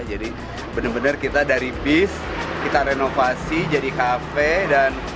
jadi benar benar kita dari bis kita renovasi jadi kafe dan